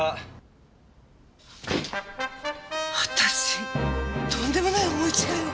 私とんでもない思い違いを！